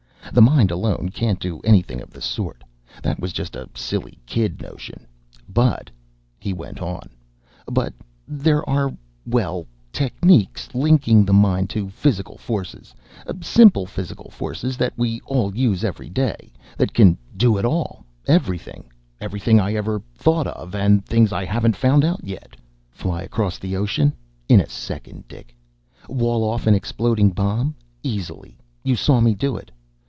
The mind alone can't do anything of the sort that was just a silly kid notion. But," he went on, "but there are well, techniques linking the mind to physical forces simple physical forces that we all use every day that can do it all. Everything! Everything I ever thought of and things I haven't found out yet. "Fly across the ocean? In a second, Dick! Wall off an exploding bomb? Easily! You saw me do it.